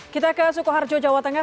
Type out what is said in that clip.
kita ke sukoharjo jawa tengah